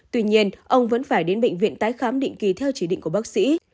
tuy nhiên ông vẫn phải đến bệnh viện tái khám định kỳ theo chỉ định của bác sĩ